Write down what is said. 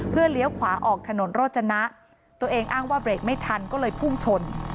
เพื่อเลี้ยวขวาออกถนนโรจนะตัวเองอ้างว่าเบรกไม่ทันก็เลยพุ่งชน